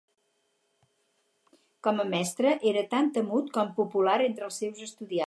Com a mestre era tant temut com popular entre els seus estudiants.